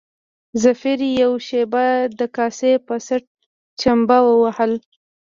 ظفر يوه شېبه د کاسې په څټ چمبه ووهله.